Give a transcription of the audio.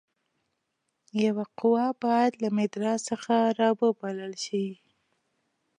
یوه قوه باید له مدراس څخه را وبلل شي.